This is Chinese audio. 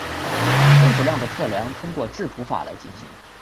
分子量的测量通过质谱法来进行。